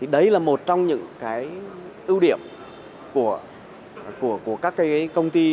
đấy là một trong những ưu điểm của các công ty